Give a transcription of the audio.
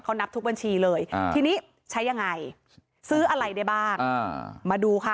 นับทุกบัญชีเลยทีนี้ใช้ยังไงซื้ออะไรได้บ้างมาดูค่ะ